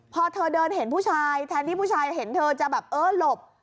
พอเธอเดินเห็นผู้ชายแทนที่ผู้ชายเห็นเธอจะแบบเออหลบ